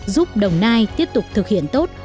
giúp đồng nai tiếp tục thực hiện tốt